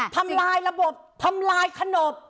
ทำลายระบบทำลายขนบ